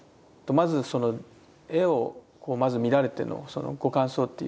まずその絵をまず見られてのそのご感想というか。